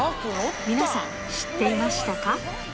皆さん、知っていましたか？